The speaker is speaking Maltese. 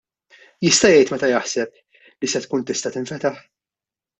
Jista' jgħid meta jaħseb li se tkun tista' tinfetaħ?